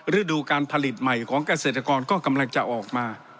ฤดูการผลิตใหม่ของเกษตรกรก็กำลังจะออกมา